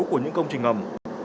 của những công trình ngầm